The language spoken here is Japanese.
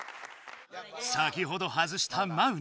先ほどはずしたマウナ。